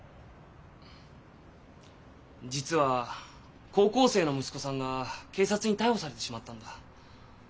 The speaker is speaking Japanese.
実は高校生の息子さんが警察に逮捕されてしまったんだ。